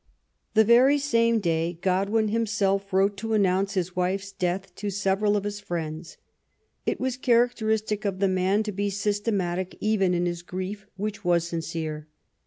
The very same day, Godwin himself wrote to announce his wife's death to several of his friends. It was charac teristic of the man to be systematic even in his grief, which was sincere.